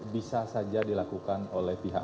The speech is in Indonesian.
bisa saja dilakukan oleh pihak